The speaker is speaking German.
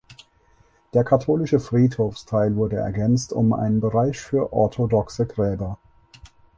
Der katholische Friedhofsteil wurde ergänzt um einen Bereich für orthodoxe Gräber.